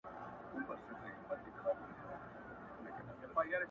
قربان د عِشق تر لمبو سم؛ باید ومي سوځي؛